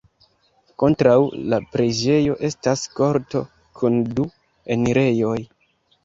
Kontraŭ la preĝejo estas korto kun du enirejoj.